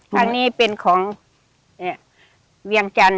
ตรงนี้เป็นของเวี้ยเวียงจันทร์